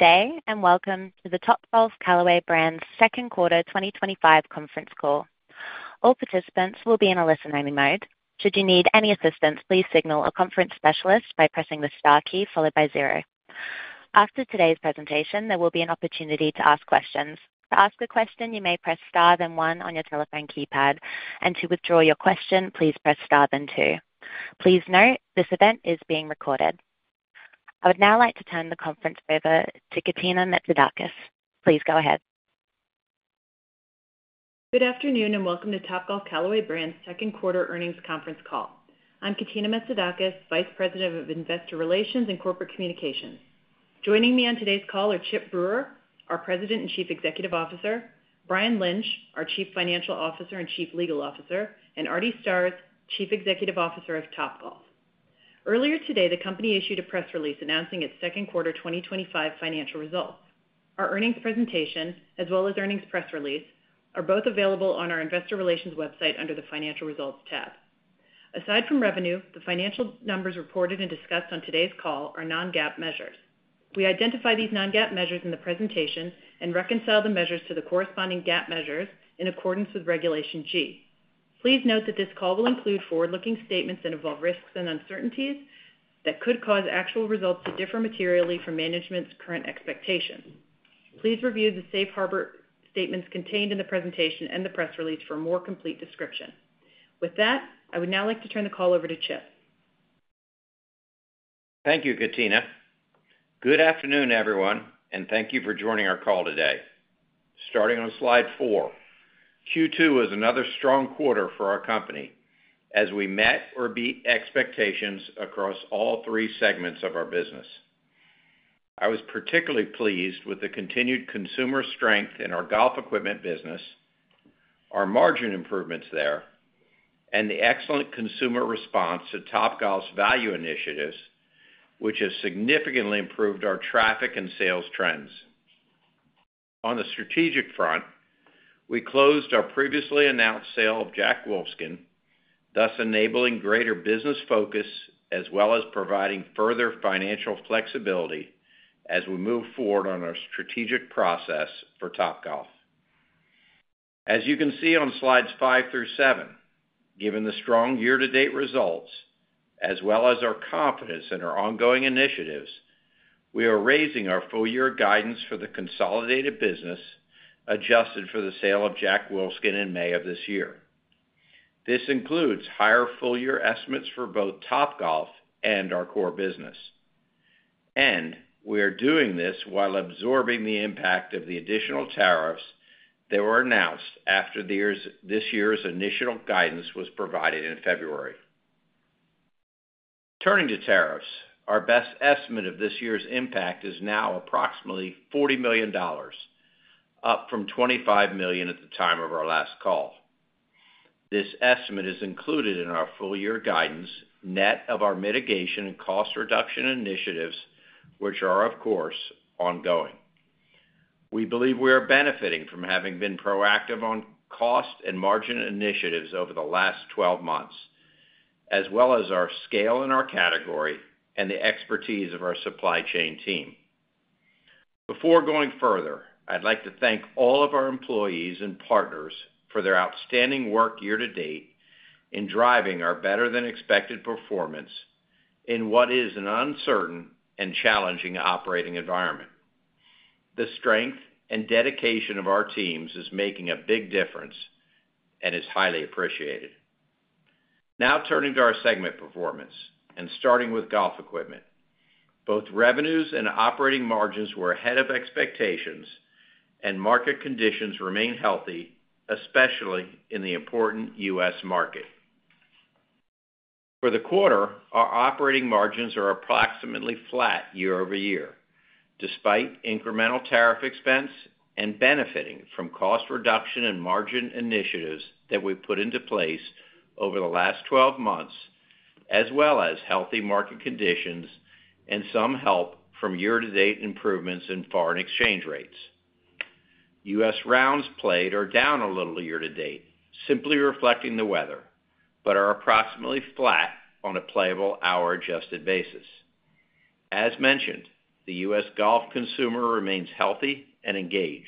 Today, and welcome to the Topgolf Callaway Brands Second Quarter 2025 Conference Call. All participants will be in a listen-only mode. Should you need any assistance, please signal a conference specialist by pressing the star key followed by zero. After today's presentation, there will be an opportunity to ask questions. To ask a question, you may press star then one on your telephone keypad, and to withdraw your question, please press star then two. Please note, this event is being recorded. I would now like to turn the conference over to Katina Metzidakis. Please go ahead. Good afternoon and welcome to Topgolf Callaway Brands Second Quarter Earnings Conference Call. I'm Katina Metzidakis, Vice President of Investor Relations and Corporate Communications. Joining me on today's call are Chip Brewer, our President and Chief Executive Officer, Brian Lynch, our Chief Financial Officer and Chief Legal Officer, and Artie Starrs, Chief Executive Officer of Topgolf. Earlier today, the company issued a press release announcing its second quarter 2025 financial results. Our earnings presentation, as well as earnings press release, are both available on our Investor Relations website under the Financial Results tab. Aside from revenue, the financial numbers reported and discussed on today's call are non-GAAP measures. We identify these non-GAAP measures in the presentation and reconcile the measures to the corresponding GAAP measures in accordance with Regulation G. Please note that this call will include forward-looking statements that involve risks and uncertainties that could cause actual results to differ materially from management's current expectations. Please review the safe harbor statements contained in the presentation and the press release for a more complete description. With that, I would now like to turn the call over to Chip. Thank you, Katina. Good afternoon, everyone, and thank you for joining our call today. Starting on slide four, Q2 is another strong quarter for our company as we met or beat expectations across all three segments of our business. I was particularly pleased with the continued consumer strength in our golf equipment business, our margin improvements there, and the excellent consumer response to Topgolf's value initiatives, which has significantly improved our traffic and sales trends. On the strategic front, we closed our previously announced sale of Jack Wolfskin, thus enabling greater business focus as well as providing further financial flexibility as we move forward on our strategic process for Topgolf. As you can see on slides five through seven, given the strong year-to-date results, as well as our confidence in our ongoing initiatives, we are raising our full-year guidance for the consolidated business adjusted for the sale of Jack Wolfskin in May of this year. This includes higher full-year estimates for both Topgolf and our core business. We are doing this while absorbing the impact of the additional tariffs that were announced after this year's initial guidance was provided in February. Turning to tariffs, our best estimate of this year's impact is now approximately $40 million, up from $25 million at the time of our last call. This estimate is included in our full-year guidance, net of our mitigation and cost reduction initiatives, which are, of course, ongoing. We believe we are benefiting from having been proactive on cost and margin initiatives over the last 12 months, as well as our scale in our category and the expertise of our supply chain team. Before going further, I'd like to thank all of our employees and partners for their outstanding work year to date in driving our better-than-expected performance in what is an uncertain and challenging operating environment. The strength and dedication of our teams is making a big difference and is highly appreciated. Now turning to our segment performance and starting with golf equipment, both revenues and operating margins were ahead of expectations, and market conditions remain healthy, especially in the important U.S. market. For the quarter, our operating margins are approximately flat year over year, despite incremental tariff expense and benefiting from cost reduction and margin initiatives that we put into place over the last 12 months, as well as healthy market conditions and some help from year-to-date improvements in foreign exchange rates. U.S. rounds played are down a little year to date, simply reflecting the weather, but are approximately flat on a playable hour-adjusted basis. As mentioned, the U.S. golf consumer remains healthy and engaged.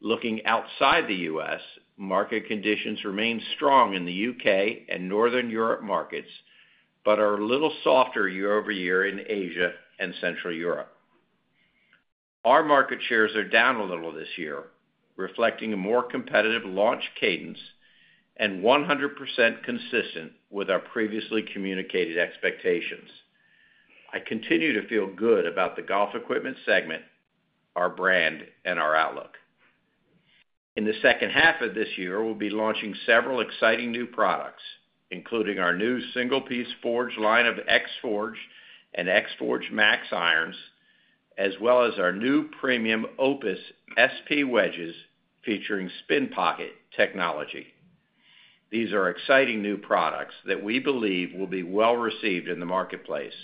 Looking outside the U.S., market conditions remain strong in the U.K. and Northern Europe markets, but are a little softer year over year in Asia and Central Europe. Our market shares are down a little this year, reflecting a more competitive launch cadence and 100% consistent with our previously communicated expectations. I continue to feel good about the golf equipment segment, our brand, and our outlook. In the second half of this year, we'll be launching several exciting new products, including our new single-piece forged line of X Forged irons and X Forged Max irons, as well as our new premium Opus SP wedges featuring Spin Pocket technology. These are exciting new products that we believe will be well received in the marketplace.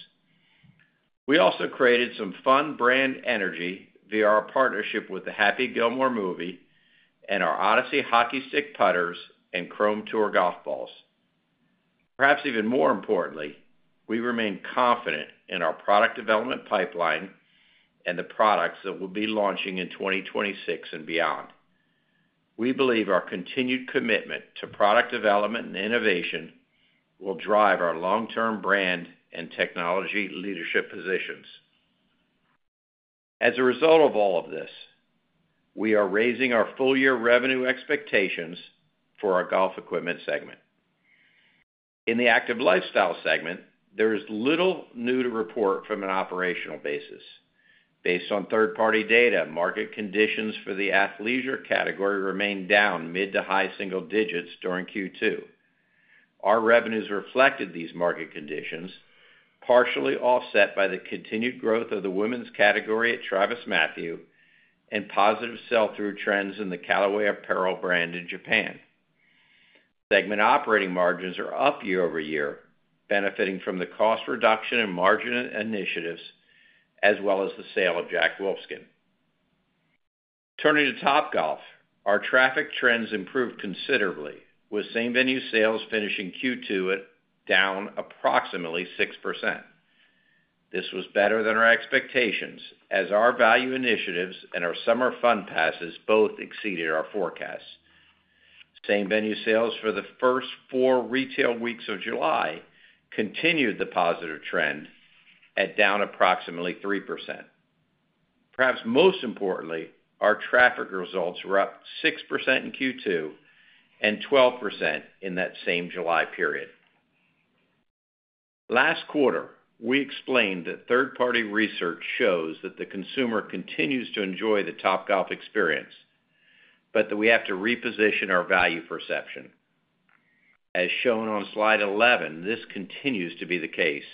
We also created some fun brand energy via our partnership with the Happy Gilmore movie and our Odyssey hockey stick putters and Chrome Tour golf balls. Perhaps even more importantly, we remain confident in our product development pipeline and the products that we'll be launching in 2026 and beyond. We believe our continued commitment to product development and innovation will drive our long-term brand and technology leadership positions. As a result of all of this, we are raising our full-year revenue expectations for our golf equipment segment. In the active lifestyle segment, there is little new to report from an operational basis. Based on third-party data, market conditions for the athleisure category remain down mid to high-single digits during Q2. Our revenues reflected these market conditions, partially offset by the continued growth of the women's category at TravisMathew and positive sell-through trends in the Callaway apparel brand in Japan. Segment operating margins are up year-over-year, benefiting from the cost reduction and margin initiatives, as well as the sale of Jack Wolfskin. Turning to Topgolf, our traffic trends improved considerably, with same-venue sales finishing Q2 down approximately 6%. This was better than our expectations, as our value initiatives and our Summer Fun Passes both exceeded our forecasts. Same-venue sales for the first four retail weeks of July continued the positive trend at down approximately 3%. Perhaps most importantly, our traffic results were up 6% in Q2 and 12% in that same July period. Last quarter, we explained that third-party research shows that the consumer continues to enjoy the Topgolf experience, but that we have to reposition our value perception. As shown on slide 11, this continues to be the case,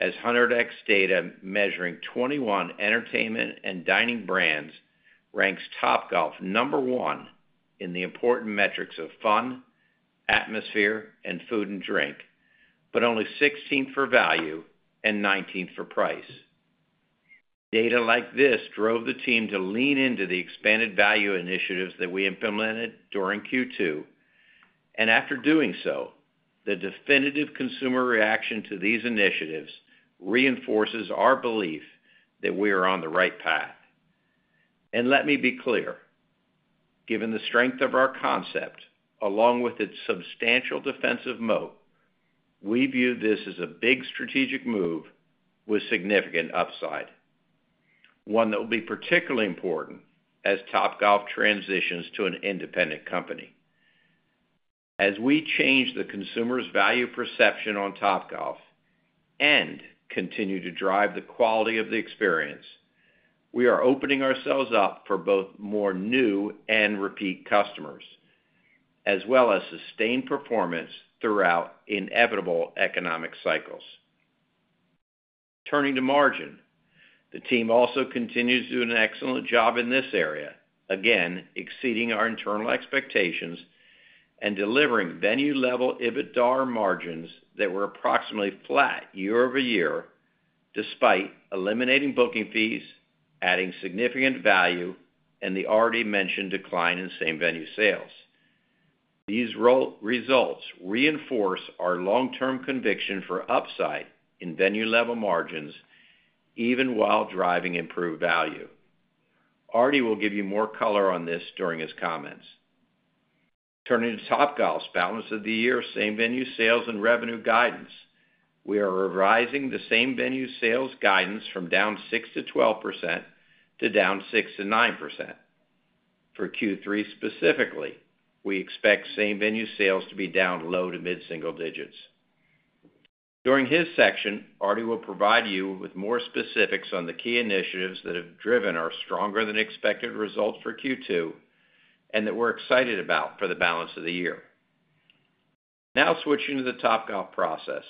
as Hunter & Dex data, measuring 21 entertainment and dining brands, ranks Topgolf number one in the important metrics of fun, atmosphere, and food and drink, but only 16th for value and 19th for price. Data like this drove the team to lean into the expanded value initiatives that we implemented during Q2. After doing so, the definitive consumer reaction to these initiatives reinforces our belief that we are on the right path. Let me be clear, given the strength of our concept, along with its substantial defensive moat, we view this as a big strategic move with significant upside, one that will be particularly important as Topgolf transitions to an independent company. As we change the consumer's value perception on Topgolf and continue to drive the quality of the experience, we are opening ourselves up for both more new and repeat customers, as well as sustained performance throughout inevitable economic cycles. Turning to margin, the team also continues to do an excellent job in this area, again exceeding our internal expectations and delivering venue-level EBITDAR margins that were approximately flat year-over-year, despite eliminating booking fees, adding significant value, and the already mentioned decline in same-venue sales. These results reinforce our long-term conviction for upside in venue-level margins, even while driving improved value. Artie will give you more color on this during his comments. Turning to Topgolf's balance of the year, same-venue sales, and revenue guidance, we are revising the same-venue sales guidance from down 6% to 12% to down 6% to 9%. For Q3 specifically, we expect same-venue sales to be down low to mid-single digits. During his section, Artie will provide you with more specifics on the key initiatives that have driven our stronger-than-expected results for Q2 and that we're excited about for the balance of the year. Now switching to the Topgolf process,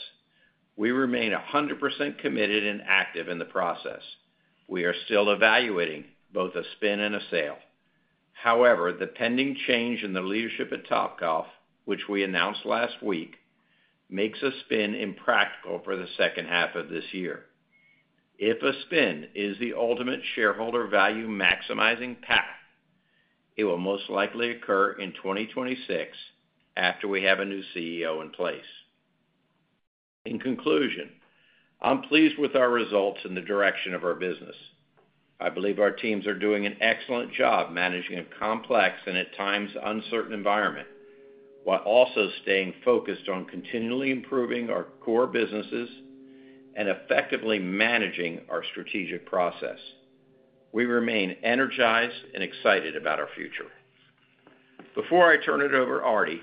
we remain 100% committed and active in the process. We are still evaluating both a spin and a sale. However, the pending change in the leadership at Topgolf, which we announced last week, makes a spin impractical for the second half of this year. If a spin is the ultimate shareholder value maximizing path, it will most likely occur in 2026 after we have a new CEO in place. In conclusion, I'm pleased with our results and the direction of our business. I believe our teams are doing an excellent job managing a complex and at times uncertain environment, while also staying focused on continually improving our core businesses and effectively managing our strategic process. We remain energized and excited about our future. Before I turn it over to Artie,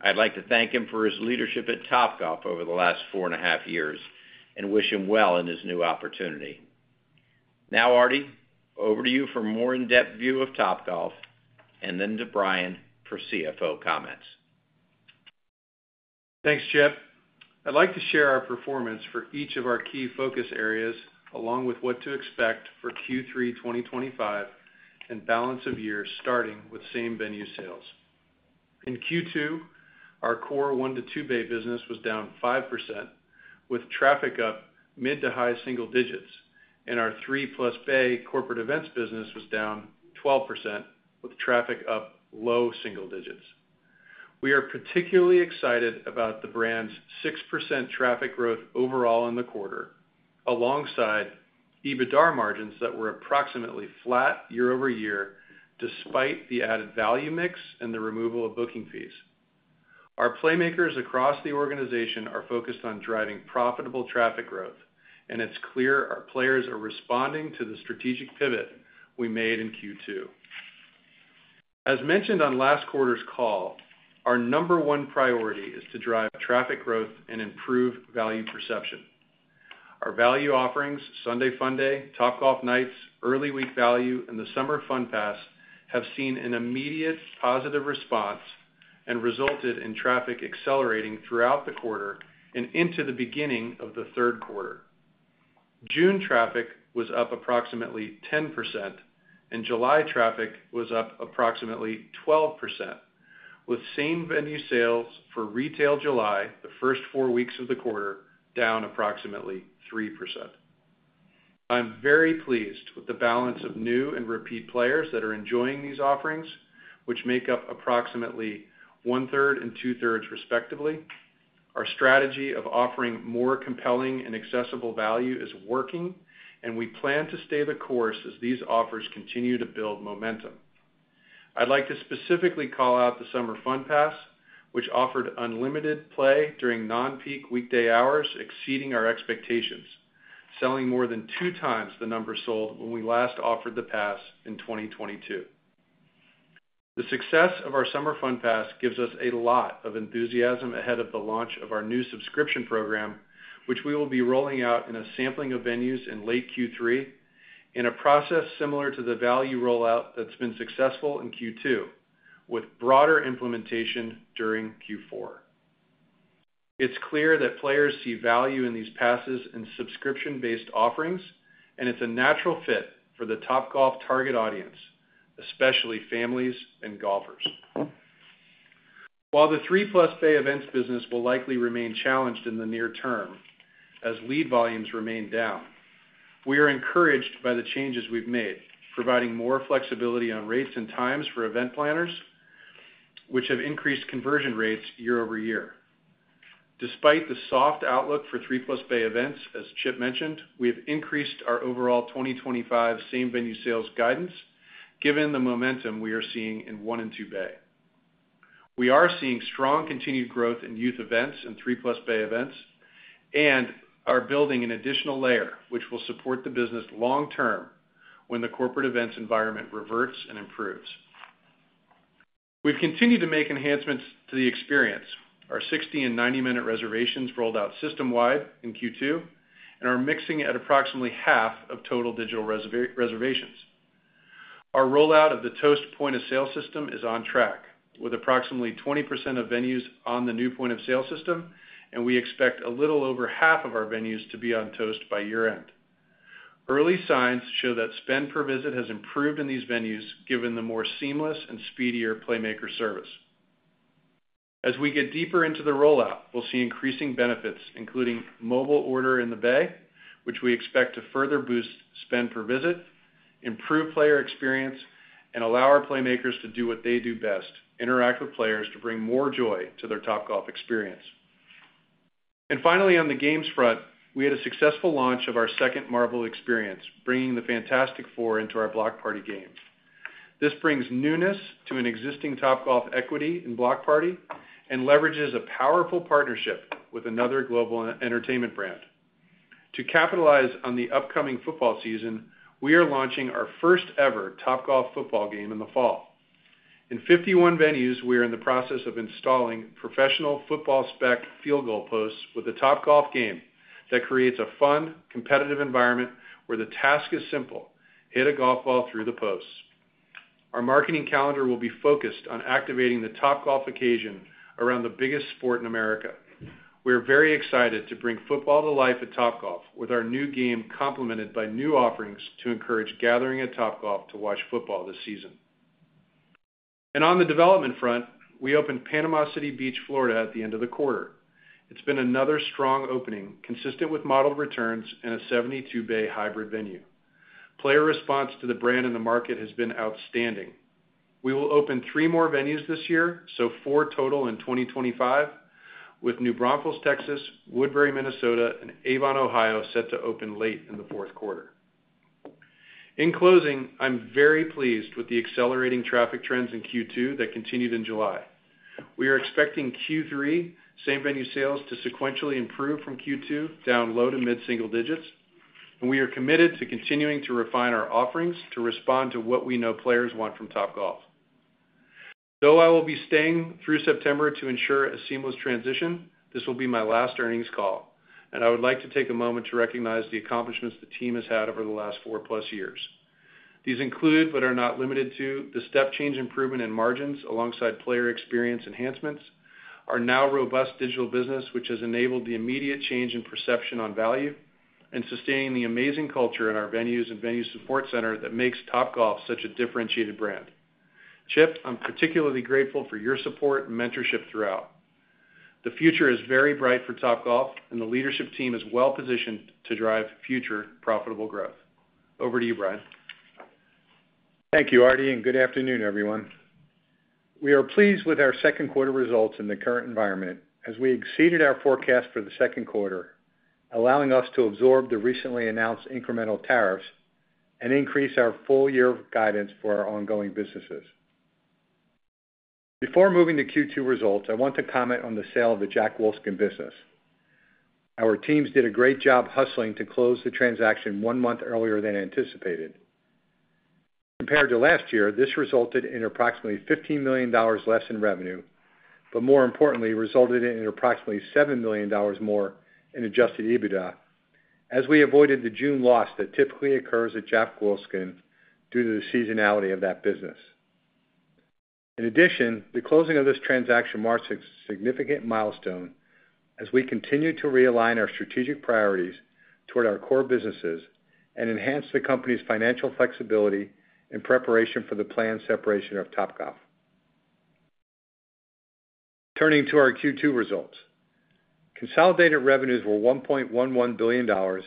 I'd like to thank him for his leadership at Topgolf over the last four and a half years and wish him well in his new opportunity. Now, Artie, over to you for a more in-depth view of Topgolf, and then to Brian for CFO comments. Thanks, Chip. I'd like to share our performance for each of our key focus areas, along with what to expect for Q3 2025 and the balance of year, starting with same-venue sales. In Q2, our core one-to-two bay business was down 5%, with traffic up mid to high-single digits, and our three-plus bay corporate events business was down 12%, with traffic up low-single digits. We are particularly excited about the brand's 6% traffic growth overall in the quarter, alongside EBITDAR margins that were approximately flat year-over year, despite the added value mix and the removal of booking fees. Our playmakers across the organization are focused on driving profitable traffic growth, and it's clear our players are responding to the strategic pivot we made in Q2. As mentioned on last quarter's call, our number one priority is to drive traffic growth and improve value perception. Our value offerings, Sunday Funday, Topgolf Nights, Early Week Value, and the Summer Fun Pass have seen an immediate positive response and resulted in traffic accelerating throughout the quarter and into the beginning of the third quarter. June traffic was up approximately 10%, and July traffic was up approximately 12%, with same-venue sales for retail July, the first four weeks of the quarter, down approximately 3%. I'm very pleased with the balance of new and repeat players that are enjoying these offerings, which make up approximately one-third and two-thirds, respectively. Our strategy of offering more compelling and accessible value is working, and we plan to stay the course as these offers continue to build momentum. I'd like to specifically call out the Summer Fun Pass, which offered unlimited play during non-peak weekday hours, exceeding our expectations, selling more than two times the number sold when we last offered the pass in 2022. The success of our Summer Fun Pass gives us a lot of enthusiasm ahead of the launch of our new subscription program, which we will be rolling out in a sampling of venues in late Q3, in a process similar to the value rollout that's been successful in Q2, with broader implementation during Q4. It's clear that players see value in these passes and subscription-based offerings, and it's a natural fit for the Topgolf target audience, especially families and golfers. While the three-plus bay events business will likely remain challenged in the near term, as lead volumes remain down, we are encouraged by the changes we've made, providing more flexibility on rates and times for event planners, which have increased conversion rates year-over-year. Despite the soft outlook for three-plus bay events, as Chip mentioned, we have increased our overall 2025 same-venue sales guidance, given the momentum we are seeing in one and two-bay. We are seeing strong continued growth in youth events and three-plus bay events and are building an additional layer, which will support the business long term when the corporate events environment reverts and improves. We've continued to make enhancements to the experience. Our 60 and 90-minute reservations rolled out system-wide in Q2 and are mixing at approximately half of total digital reservations. Our rollout of the Toast point of sale system is on track, with approximately 20% of venues on the new point of sale system, and we expect a little over half of our venues to be on Toast by year-end. Early signs show that spend per visit has improved in these venues, given the more seamless and speedier Playmaker service. As we get deeper into the rollout, we'll see increasing benefits, including mobile order in the bay, which we expect to further boost spend per visit, improve player experience, and allow our Playmakers to do what they do best: interact with players to bring more joy to their Topgolf experience. Finally, on the games front, we had a successful launch of our second Marvel experience, bringing the Fantastic Four into our Block Party games. This brings newness to an existing Topgolf equity in Block Party and leverages a powerful partnership with another global entertainment brand. To capitalize on the upcoming football season, we are launching our first-ever Topgolf football game in the fall. In 51 venues, we are in the process of installing professional football-spec field goal posts with the Topgolf game that creates a fun, competitive environment where the task is simple: hit a golf ball through the posts. Our marketing calendar will be focused on activating the Topgolf occasion around the biggest sport in America. We are very excited to bring football to life at Topgolf with our new game complemented by new offerings to encourage gathering at Topgolf to watch football this season. On the development front, we opened Panama City Beach, Florida, at the end of the quarter. It has been another strong opening, consistent with modeled returns and a 72-bay hybrid venue. Player response to the brand in the market has been outstanding. We will open three more venues this year, so four total in 2025, with New Braunfels, Texas, Woodbury, Minnesota, and Avon, Ohio, set to open late in the fourth quarter. In closing, I'm very pleased with the accelerating traffic trends in Q2 that continued in July. We are expecting Q3 same-venue sales to sequentially improve from Q2 down low to mid-single digits, and we are committed to continuing to refine our offerings to respond to what we know players want from Topgolf. Though I will be staying through September to ensure a seamless transition, this will be my last earnings call, and I would like to take a moment to recognize the accomplishments the team has had over the last four-plus years. These include, but are not limited to, the step-change improvement in margins alongside player experience enhancements, our now robust digital business, which has enabled the immediate change in perception on value, and sustaining the amazing culture in our venues and venue support center that makes Topgolf such a differentiated brand. Chip, I'm particularly grateful for your support and mentorship throughout. The future is very bright for Topgolf, and the leadership team is well-positioned to drive future profitable growth. Over to you, Brian. Thank you, Artie, and good afternoon, everyone. We are pleased with our second quarter results in the current environment, as we exceeded our forecast for the second quarter, allowing us to absorb the recently announced incremental tariffs and increase our full-year guidance for our ongoing businesses. Before moving to Q2 results, I want to comment on the sale of the Jack Wolfskin business. Our teams did a great job hustling to close the transaction one month earlier than anticipated. Compared to last year, this resulted in approximately $15 million less in revenue, but more importantly, resulted in approximately $7 million more in adjusted EBITDA, as we avoided the June loss that typically occurs at Jack Wolfskin due to the seasonality of that business. In addition, the closing of this transaction marks a significant milestone, as we continue to realign our strategic priorities toward our core businesses and enhance the company's financial flexibility in preparation for the planned separation of Topgolf. Turning to our Q2 results, consolidated revenues were $1.11 billion,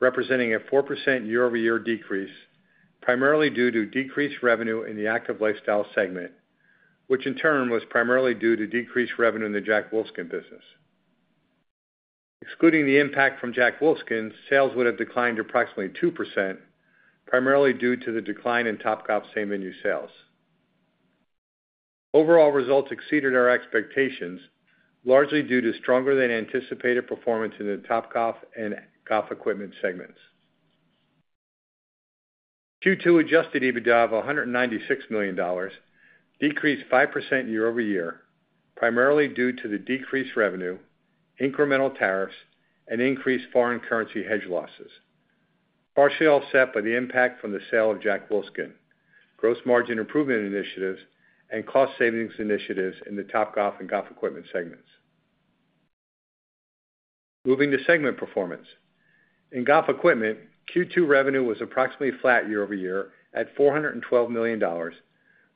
representing a 4% year-over-year decrease, primarily due to decreased revenue in the active lifestyle segment, which in turn was primarily due to decreased revenue in the Jack Wolfskin business. Excluding the impact from Jack Wolfskin, sales would have declined approximately 2%, primarily due to the decline in Topgolf same-venue sales. Overall results exceeded our expectations, largely due to stronger-than-anticipated performance in the Topgolf and golf equipment segments. Q2 adjusted EBITDA of $196 million, decreased 5% year-over-year, primarily due to the decreased revenue, incremental tariffs, and increased foreign currency hedge losses, partially offset by the impact from the sale of Jack Wolfskin, gross margin improvement initiatives, and cost savings initiatives in the Topgolf and golf equipment segments. Moving to segment performance, in golf equipment, Q2 revenue was approximately flat year-over-year at $412 million,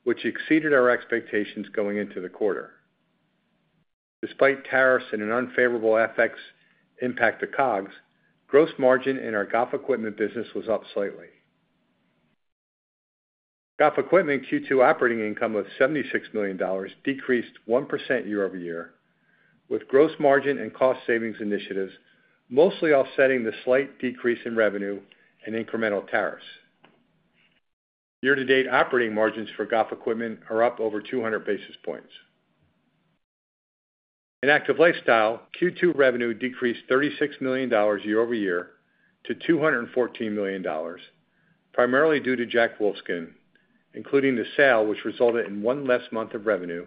which exceeded our expectations going into the quarter. Despite tariffs and an unfavorable FX impact to COGS, gross margin in our golf equipment business was up slightly. Golf equipment Q2 operating income of $76 million decreased 1% year-over-year, with gross margin and cost savings initiatives mostly offsetting the slight decrease in revenue and incremental tariffs. Year-to-date operating margins for golf equipment are up over 200 basis points. In active lifestyle, Q2 revenue decreased $36 million year over year to $214 million, primarily due to Jack Wolfskin, including the sale, which resulted in one less month of revenue,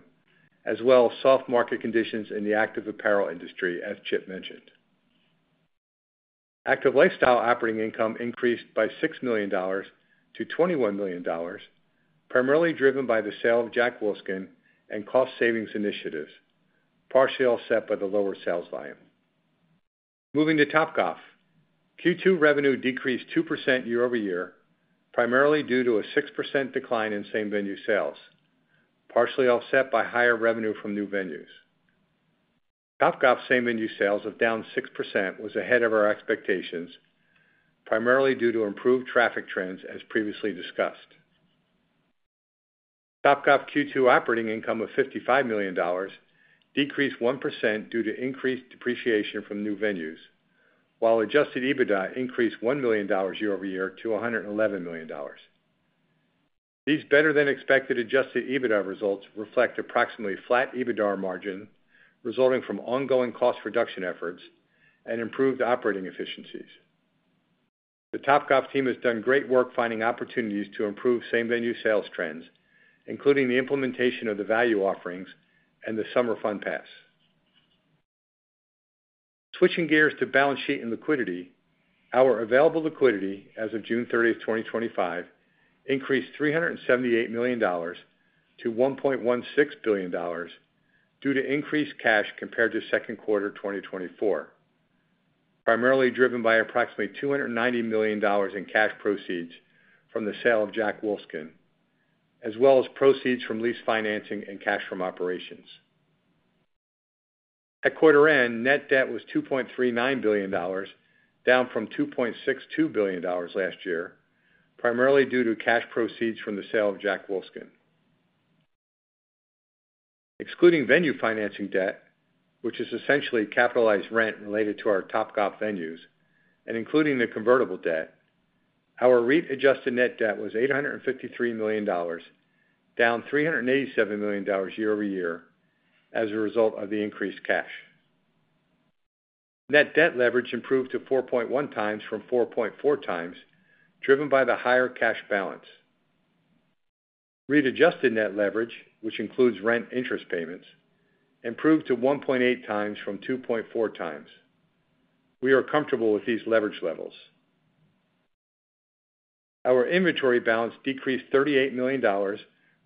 as well as soft market conditions in the active apparel industry, as Chip mentioned. Active lifestyle operating income increased by $6 million to $21 million, primarily driven by the sale of Jack Wolfskin and cost savings initiatives, partially offset by the lower sales volume. Moving to Topgolf, Q2 revenue decreased 2% year over year, primarily due to a 6% decline in same-venue sales, partially offset by higher revenue from new venues. Topgolf same-venue sales of down 6% was ahead of our expectations, primarily due to improved traffic trends, as previously discussed. Topgolf Q2 operating income of $55 million decreased 1% due to increased depreciation from new venues, while adjusted EBITDA increased $1 million year over year to $111 million. These better-than-expected adjusted EBITDA results reflect approximately flat EBITDAR margin, resulting from ongoing cost reduction efforts and improved operating efficiencies. The Topgolf team has done great work finding opportunities to improve same-venue sales trends, including the implementation of the value offerings and the Summer Fun Pass. Switching gears to balance sheet and liquidity, our available liquidity as of June 30, 2025, increased $378 million to $1.16 billion due to increased cash compared to second quarter 2024, primarily driven by approximately $290 million in cash proceeds from the sale of Jack Wolfskin, as well as proceeds from lease financing and cash from operations. At quarter end, net debt was $2.39 billion, down from $2.62 billion last year, primarily due to cash proceeds from the sale of Jack Wolfskin. Excluding venue financing debt, which is essentially capitalized rent related to our Topgolf venues, and including the convertible debt, our REIT-adjusted net debt was $853 million, down $387 million year over year as a result of the increased cash. Net debt leverage improved to 4.1 times from 4.4 times, driven by the higher cash balance. REIT-adjusted net leverage, which includes rent interest payments, improved to 1.8 times from 2.4 times. We are comfortable with these leverage levels. Our inventory balance decreased $38 million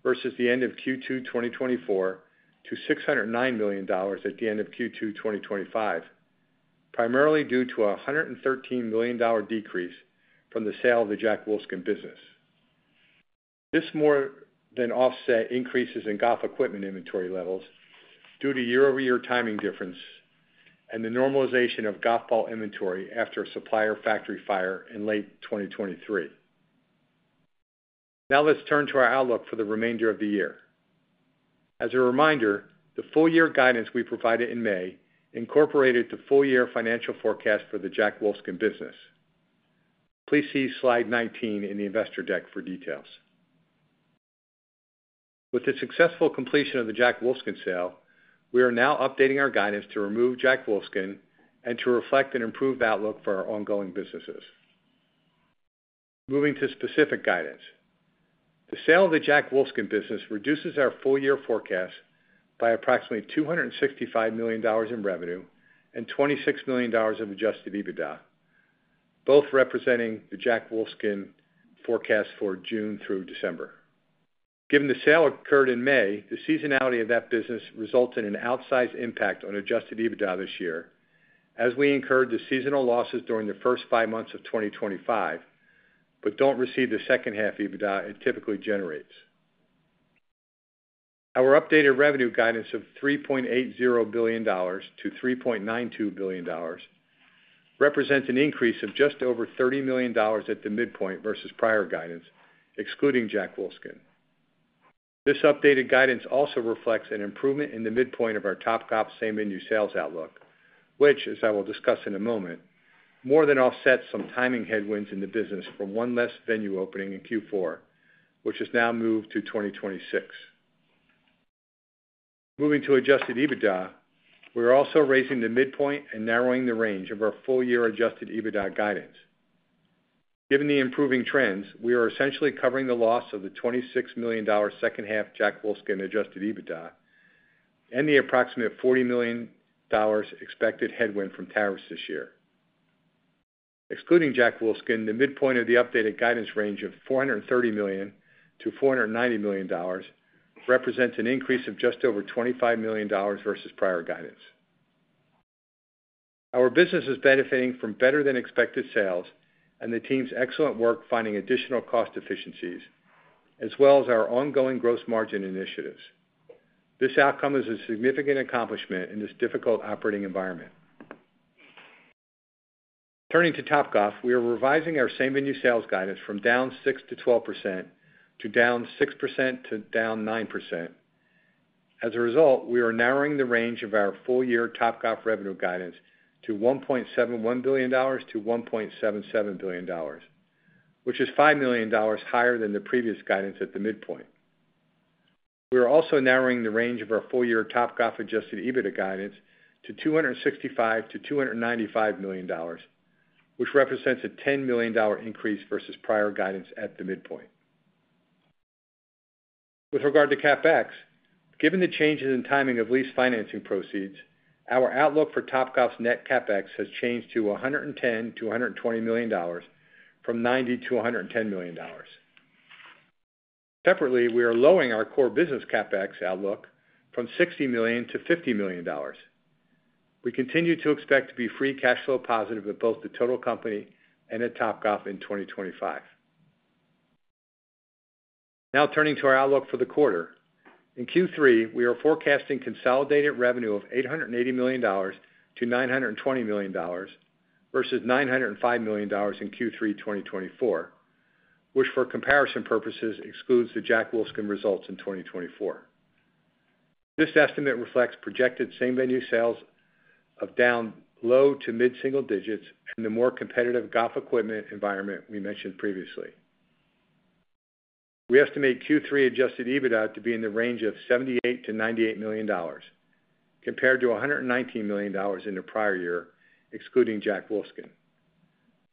versus the end of Q2 2024 to $609 million at the end of Q2 2025, primarily due to a $113 million decrease from the sale of the Jack Wolfskin business. This more than offset increases in golf equipment inventory levels due to year-over-year timing difference and the normalization of golf ball inventory after a supplier factory fire in late 2023. Now let's turn to our outlook for the remainder of the year. As a reminder, the full-year guidance we provided in May incorporated the full-year financial forecast for the Jack Wolfskin business. Please see slide 19 in the investor deck for details. With the successful completion of the Jack Wolfskin sale, we are now updating our guidance to remove Jack Wolfskin and to reflect an improved outlook for our ongoing businesses. Moving to specific guidance, the sale of the Jack Wolfskin business reduces our full-year forecast by approximately $265 million in revenue and $26 million in adjusted EBITDA, both representing the Jack Wolfskin forecast for June through December. Given the sale occurred in May, the seasonality of that business results in an outsized impact on adjusted EBITDA this year, as we incurred the seasonal losses during the first five months of 2025, but don't receive the second half EBITDA it typically generates. Our updated revenue guidance of $3.80 billion to $3.92 billion represents an increase of just over $30 million at the midpoint versus prior guidance, excluding Jack Wolfskin. This updated guidance also reflects an improvement in the midpoint of our Topgolf same-venue sales outlook, which, as I will discuss in a moment, more than offsets some timing headwinds in the business from one less venue opening in Q4, which is now moved to 2026. Moving to adjusted EBITDA, we are also raising the midpoint and narrowing the range of our full-year adjusted EBITDA guidance. Given the improving trends, we are essentially covering the loss of the $26 million second half Jack Wolfskin adjusted EBITDA and the approximate $40 million expected headwind from tariffs this year. Excluding Jack Wolfskin, the midpoint of the updated guidance range of $430 million to $490 million represents an increase of just over $25 million versus prior guidance. Our business is benefiting from better-than-expected sales and the team's excellent work finding additional cost efficiencies, as well as our ongoing gross margin initiatives. This outcome is a significant accomplishment in this difficult operating environment. Turning to Topgolf, we are revising our same-venue sales guidance from down 6% to 12% to down 6% to down 9%. As a result, we are narrowing the range of our full-year Topgolf revenue guidance to $1.71 billion to $1.77 billion, which is $5 million higher than the previous guidance at the midpoint. We are also narrowing the range of our full-year Topgolf adjusted EBITDA guidance to $265 million to $295 million, which represents a $10 million increase versus prior guidance at the midpoint. With regard to CapEx, given the changes in timing of lease financing proceeds, our outlook for Topgolf's net CapEx has changed to $110 million to $120 million from $90 million to $110 million. Separately, we are lowering our core business CapEx outlook from $60 million to $50 million. We continue to expect to be free cash flow positive in both the total company and at Topgolf in 2025. Now turning to our outlook for the quarter, in Q3, we are forecasting consolidated revenue of $880 million to $920 million versus $905 million in Q3 2024, which for comparison purposes excludes the Jack Wolfskin results in 2024. This estimate reflects projected same-venue sales of down low to mid-single digits in the more competitive golf equipment environment we mentioned previously. We estimate Q3 adjusted EBITDA to be in the range of $78 million to $98 million, compared to $119 million in the prior year, excluding Jack Wolfskin.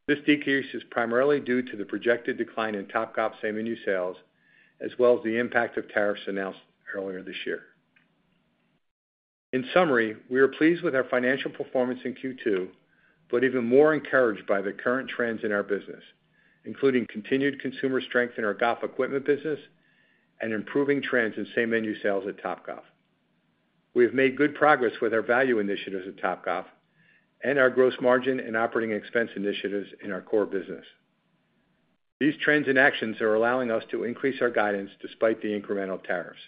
This decrease is primarily due to the projected decline in Topgolf same-venue sales, as well as the impact of tariffs announced earlier this year. In summary, we are pleased with our financial performance in Q2, but even more encouraged by the current trends in our business, including continued consumer strength in our golf equipment business and improving trends in same-venue sales at Topgolf. We have made good progress with our value initiatives at Topgolf and our gross margin and operating expense initiatives in our core business. These trends and actions are allowing us to increase our guidance despite the incremental tariffs.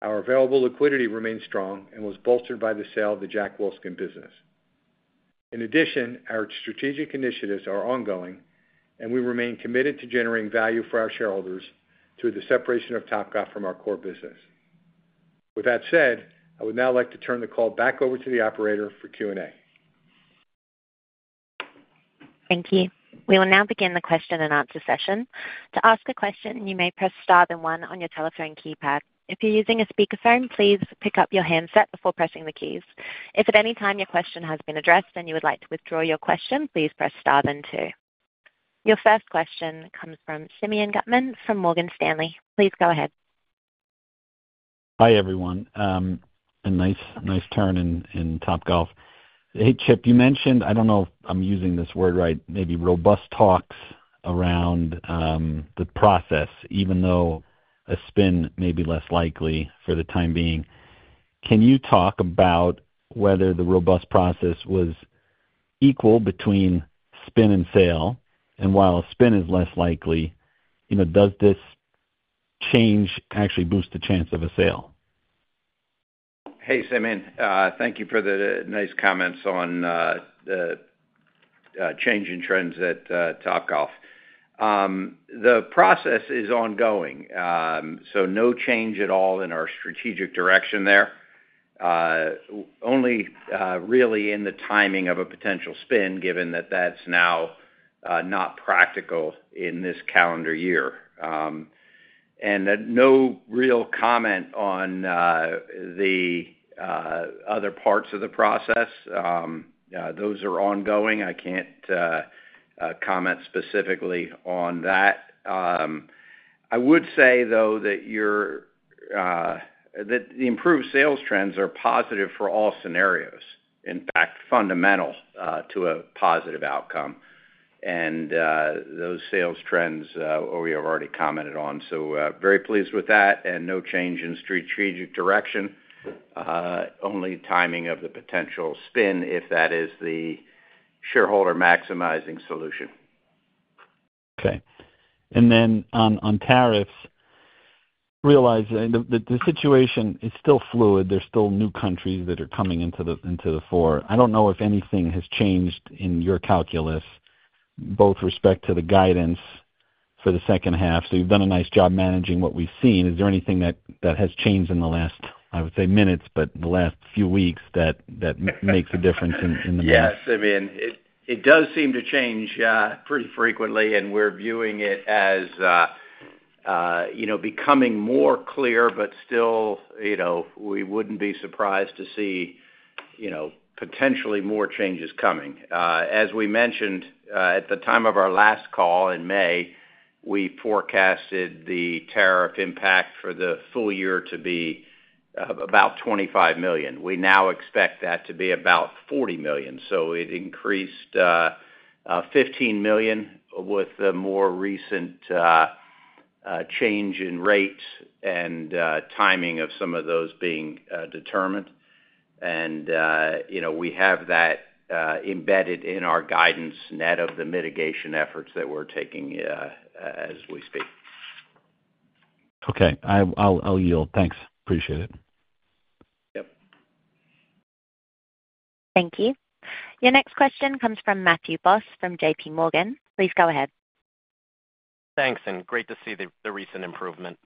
Our available liquidity remains strong and was bolstered by the sale of the Jack Wolfskin business. In addition, our strategic initiatives are ongoing, and we remain committed to generating value for our shareholders through the separation of Topgolf from our core business. With that said, I would now like to turn the call back over to the operator for Q&A. Thank you. We will now begin the question and answer session. To ask a question, you may press star then one on your telephone keypad. If you're using a speaker phone, please pick up your handset before pressing the keys. If at any time your question has been addressed and you would like to withdraw your question, please press star then two. Your first question comes from Simeon Gutman from Morgan Stanley. Please go ahead. Hi everyone. A nice, nice turn in Topgolf. Hey Chip, you mentioned, I don't know if I'm using this word right, maybe robust talks around the process, even though a spin may be less likely for the time being. Can you talk about whether the robust process was equal between spin and sale? While a spin is less likely, does this change actually boost the chance of a sale? Hey Simeon, thank you for the nice comments on the changing trends at Topgolf. The process is ongoing, so no change at all in our strategic direction there, only really in the timing of a potential spin, given that that's now not practical in this calendar year. No real comment on the other parts of the process. Those are ongoing. I can't comment specifically on that. I would say, though, that the improved sales trends are positive for all scenarios, in fact, fundamental to a positive outcome. Those sales trends we have already commented on. Very pleased with that and no change in strategic direction, only timing of the potential spin if that is the shareholder maximizing solution. Okay. On tariffs, realizing that the situation is still fluid, there are still new countries that are coming into the fore. I don't know if anything has changed in your calculus with respect to the guidance for the second half. You've done a nice job managing what we've seen. Is there anything that has changed in the last few weeks that makes a difference in the mess? Yeah, Simeon, it does seem to change pretty frequently, and we're viewing it as, you know, becoming more clear, but still, you know, we wouldn't be surprised to see, you know, potentially more changes coming. As we mentioned, at the time of our last call in May, we forecasted the tariff impact for the full year to be about $25 million. We now expect that to be about $40 million. It increased $15 million with the more recent change in rate and timing of some of those being determined. We have that embedded in our guidance net of the mitigation efforts that we're taking, as we speak. Okay, I'll yield. Thanks. Appreciate it. Thank you. Your next question comes from Matthew Boss from J.P. Morgan. Please go ahead. Thanks, and great to see the recent improvement.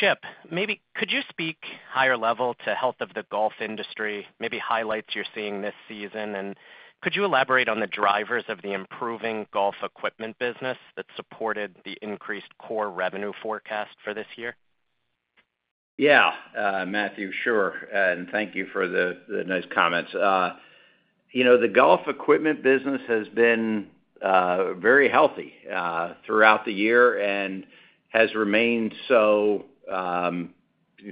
Chip, maybe could you speak higher level to health of the golf industry, maybe highlights you're seeing this season, and could you elaborate on the drivers of the improving golf equipment business that supported the increased core revenue forecast for this year? Yeah, Matthew, sure. Thank you for the nice comments. You know, the golf equipment business has been very healthy throughout the year and has remained so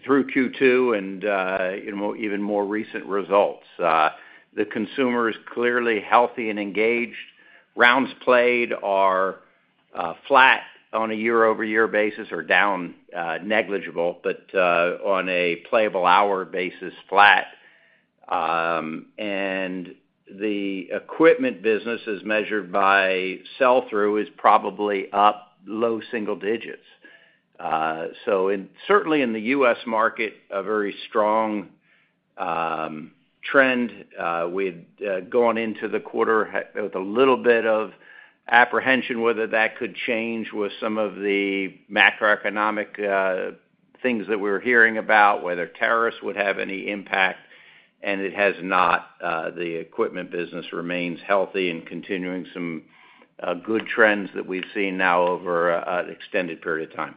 through Q2 and even more recent results. The consumer is clearly healthy and engaged. Rounds played are flat on a year-over-year basis or down negligible, but on a playable hour basis, flat. The equipment business as measured by sell-through is probably up low-single digits. In the U.S. market, a very strong trend. We went into the quarter with a little bit of apprehension whether that could change with some of the macroeconomic things that we were hearing about, whether tariffs would have any impact, and it has not. The equipment business remains healthy and continuing some good trends that we've seen now over an extended period of time.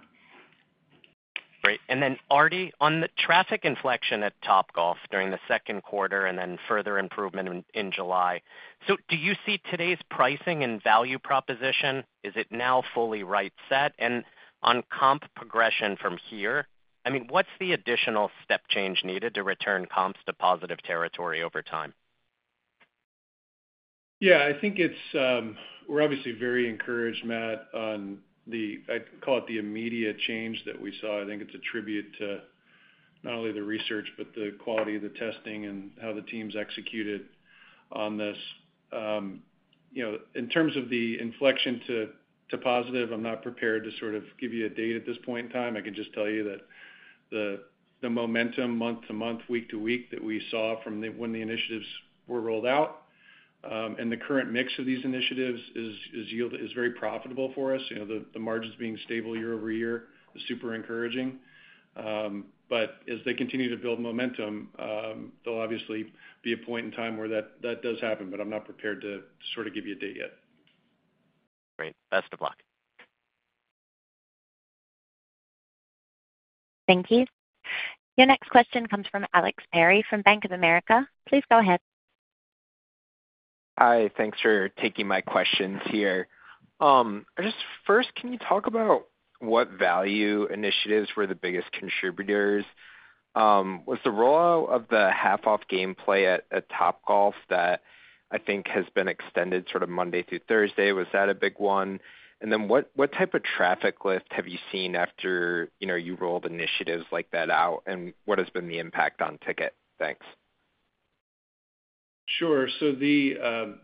Great. Artie, on the traffic inflection at Topgolf during the second quarter and then further improvement in July, do you see today's pricing and value proposition? Is it now fully right set? On comp progression from here, what's the additional step change needed to return comps to positive territory over time? Yeah, I think we're obviously very encouraged, Matt, on the, I'd call it the immediate change that we saw. I think it's a tribute to not only the research, but the quality of the testing and how the teams executed on this. In terms of the inflection to positive, I'm not prepared to sort of give you a date at this point in time. I can just tell you that the momentum month to month, week to week that we saw from when the initiatives were rolled out, and the current mix of these initiatives is very profitable for us. The margins being stable year over year is super encouraging. As they continue to build momentum, there'll obviously be a point in time where that does happen, but I'm not prepared to sort of give you a date yet. Great. Best of luck. Thank you. Your next question comes from Alex Perry from Bank of America. Please go ahead. Hi, thanks for taking my questions here. First, can you talk about what value initiatives were the biggest contributors? Was the rollout of the half-off gameplay at Topgolf that I think has been extended Monday through Thursday a big one? What type of traffic lift have you seen after you rolled initiatives like that out, and what has been the impact on ticket? Thanks. Sure. The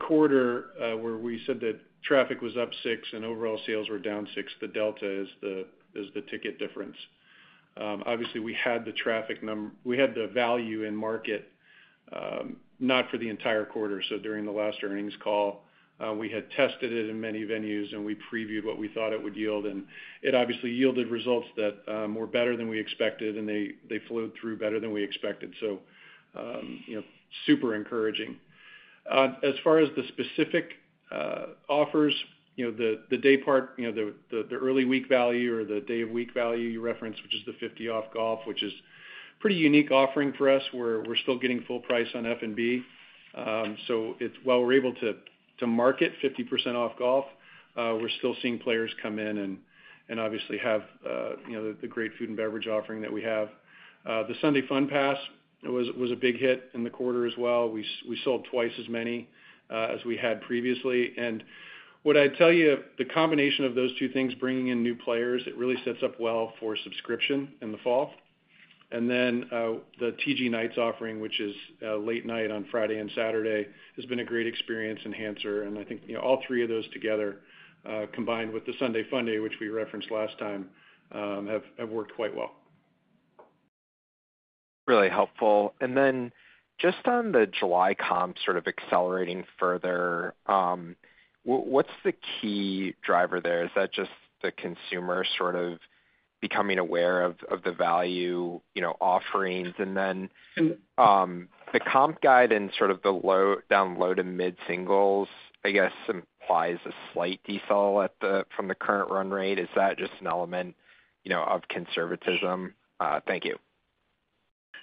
quarter where we said that traffic was up 6 and overall sales were down 6, the delta is the ticket difference. Obviously, we had the traffic number, we had the value in market, not for the entire quarter. During the last earnings call, we had tested it in many venues, and we previewed what we thought it would yield, and it obviously yielded results that were better than we expected, and they flowed through better than we expected. Super encouraging. As far as the specific offers, the day part, the early week value or the day of week value you referenced, which is the 50% off golf, is a pretty unique offering for us. We're still getting full price on F&B, so while we're able to market 50% off golf, we're still seeing players come in and obviously have the great food and beverage offering that we have. The Sunday Fun Pass was a big hit in the quarter as well. We sold twice as many as we had previously. What I'd tell you, the combination of those two things, bringing in new players, it really sets up well for subscription in the fall. The TG Nights offering, which is late night on Friday and Saturday, has been a great experience enhancer. I think all three of those together, combined with the Sunday Funday, which we referenced last time, have worked quite well. Really helpful. Just on the July comp sort of accelerating further, what's the key driver there? Is that just the consumer sort of becoming aware of the value offerings? The comp guide and sort of the low to mid-singles, I guess, implies a slight decel from the current run rate. Is that just an element of conservatism? Thank you.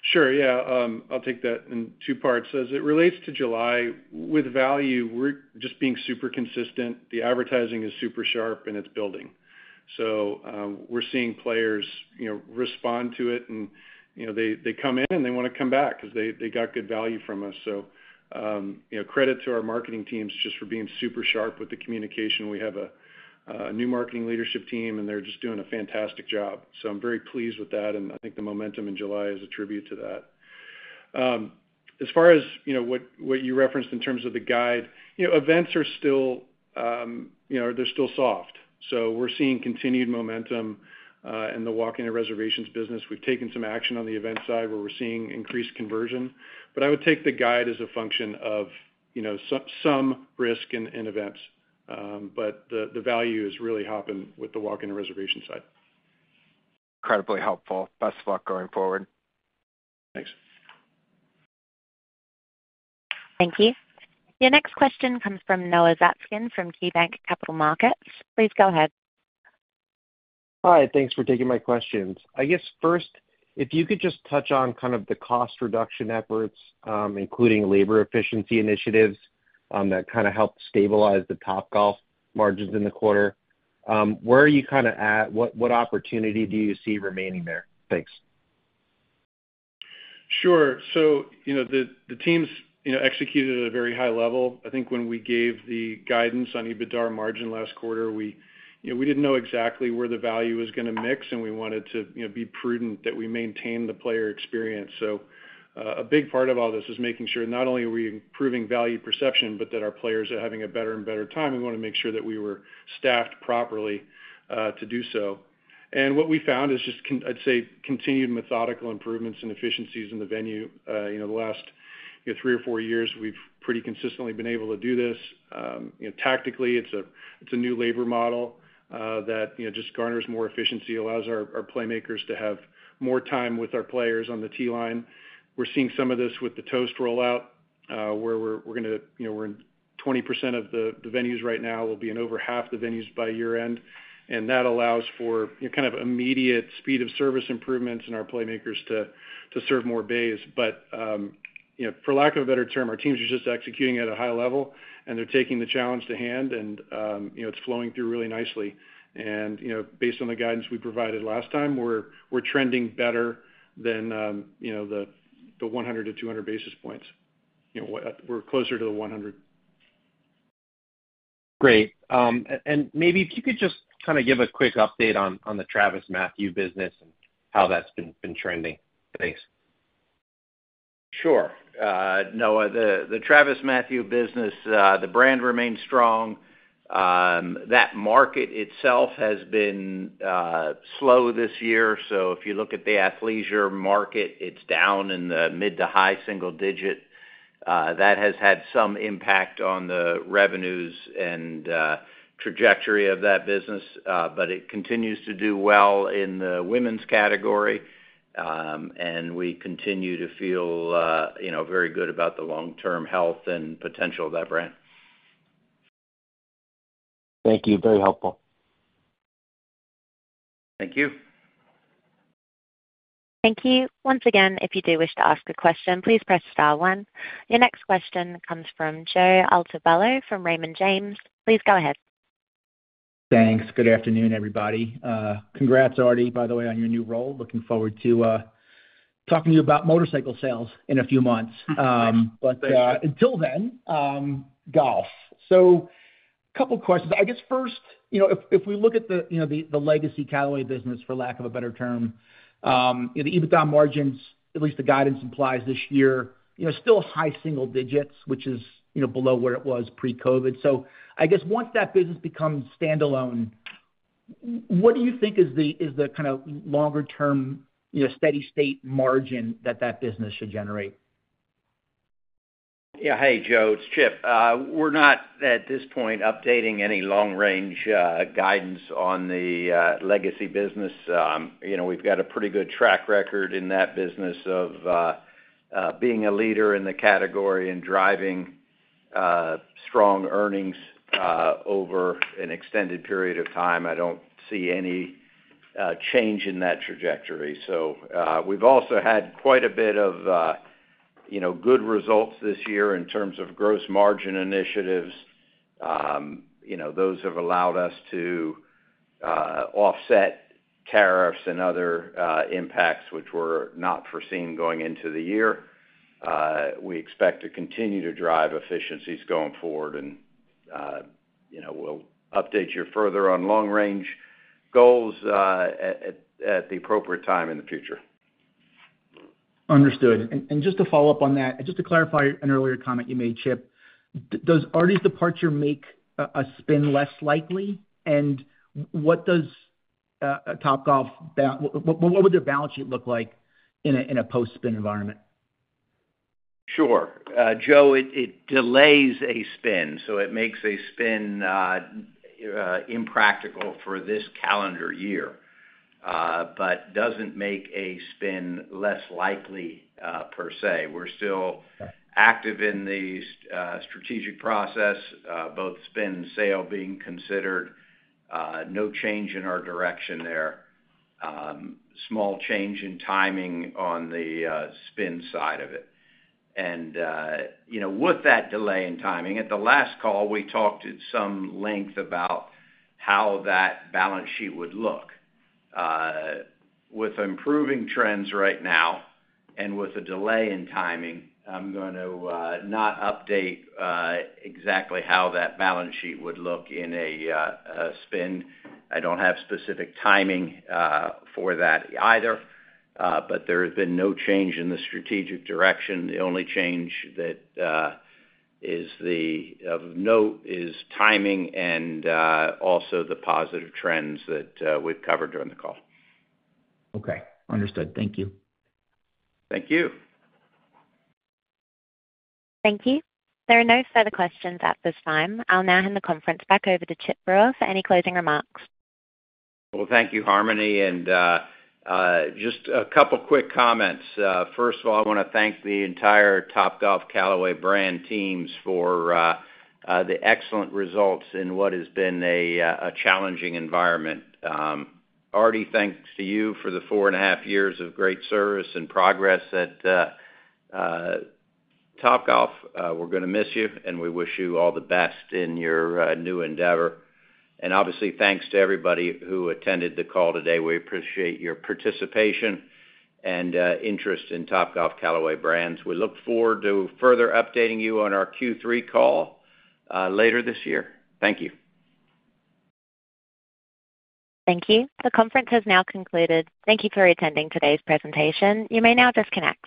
Sure. I'll take that in two parts. As it relates to July, with value, we're just being super consistent. The advertising is super sharp, and it's building. We're seeing players respond to it, and they come in and they want to come back because they got good value from us. Credit to our marketing teams for being super sharp with the communication. We have a new marketing leadership team, and they're just doing a fantastic job. I'm very pleased with that. I think the momentum in July is a tribute to that. As far as what you referenced in terms of the guide, events are still soft. We're seeing continued momentum in the walk-in and reservations business. We've taken some action on the event side where we're seeing increased conversion. I would take the guide as a function of some risk in events, but the value is really hopping with the walk-in and reservation side. Incredibly helpful. Best of luck going forward. Thanks. Thank you. Your next question comes from Noah Zatzkin from KeyBanc Capital Markets. Please go ahead. Hi, thanks for taking my questions. I guess first, if you could just touch on kind of the cost reduction efforts, including labor efficiency initiatives, that kind of helped stabilize the Topgolf margins in the quarter. Where are you kind of at? What opportunity do you see remaining there? Thanks. Sure. The teams executed at a very high level. I think when we gave the guidance on EBITDAR margin last quarter, we did not know exactly where the value was going to mix, and we wanted to be prudent that we maintain the player experience. A big part of all this is making sure not only are we improving value perception, but that our players are having a better and better time. We want to make sure that we were staffed properly to do so. What we found is just, I'd say, continued methodical improvements and efficiencies in the venue. The last three or four years, we've pretty consistently been able to do this. Tactically, it's a new labor model that just garners more efficiency, allows our Playmakers to have more time with our players on the T-line. We're seeing some of this with the Toast rollout, where we're in 20% of the venues right now. We'll be in over half the venues by year-end. That allows for immediate speed of service improvements in our Playmakers to serve more bays. For lack of a better term, our teams are just executing at a high level, and they're taking the challenge to hand, and it's flowing through really nicely. Based on the guidance we provided last time, we're trending better than the 100 to 200 basis points. We're closer to the 100. Great. Maybe if you could just kind of give a quick update on the TravisMathew business and how that's been trending. Thanks. Sure. Noah, the TravisMathew business, the brand remains strong. That market itself has been slow this year. If you look at the athleisure market, it's down in the mid to high-single digits. That has had some impact on the revenues and trajectory of that business. It continues to do well in the women's category, and we continue to feel, you know, very good about the long-term health and potential of that brand. Thank you. Very helpful. Thank you. Thank you. Once again, if you do wish to ask a question, please press star one. Your next question comes from Joe Altobello from Raymond James. Please go ahead. Thanks. Good afternoon, everybody. Congrats, Artie, by the way, on your new role. Looking forward to talking to you about motorcycle sales in a few months. Until then, golf. A couple of questions. I guess first, if we look at the legacy Callaway business, for lack of a better term, the EBITDA margins, at least the guidance implies this year, still high-single digits, which is below where it was pre-COVID. I guess once that business becomes standalone, what do you think is the kind of longer-term steady-state margin that that business should generate? Yeah. Hey, Joe, it's Chip. We're not at this point updating any long-range guidance on the legacy business. You know, we've got a pretty good track record in that business of being a leader in the category and driving strong earnings over an extended period of time. I don't see any change in that trajectory. We've also had quite a bit of good results this year in terms of gross margin initiatives. You know, those have allowed us to offset tariffs and other impacts, which were not foreseen going into the year. We expect to continue to drive efficiencies going forward, and we'll update you further on long-range goals at the appropriate time in the future. Understood. Just to follow up on that, and just to clarify an earlier comment you made, Chip, does Artie's departure make a spin less likely? What would a Topgolf balance sheet look like in a post-spin environment? Sure. Joe, it delays a spin. It makes a spin impractical for this calendar year, but doesn't make a spin less likely, per se. We're still active in the strategic process, both spin and sale being considered. No change in our direction there. Small change in timing on the spin side of it. With that delay in timing, at the last call, we talked at some length about how that balance sheet would look. With improving trends right now and with a delay in timing, I'm going to not update exactly how that balance sheet would look in a spin. I don't have specific timing for that either. There has been no change in the strategic direction. The only change that is of note is timing and also the positive trends that we've covered during the call. Okay. Understood. Thank you. Thank you. Thank you. There are no further questions at this time. I'll now hand the conference back over to Chip Brewer for any closing remarks. Thank you, Harmony. Just a couple of quick comments. First of all, I want to thank the entire Topgolf Callaway Brands teams for the excellent results in what has been a challenging environment. Artie, thanks to you for the four and a half years of great service and progress at Topgolf. We're going to miss you, and we wish you all the best in your new endeavor. Obviously, thanks to everybody who attended the call today. We appreciate your participation and interest in Topgolf Callaway Brands. We look forward to further updating you on our Q3 call later this year. Thank you. Thank you. The conference has now concluded. Thank you for attending today's presentation. You may now disconnect.